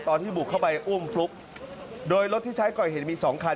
ตอนที่บุกเข้าไปอุ้มฟลุ๊กโดยรถที่ใช้ก่อเหตุมีสองคัน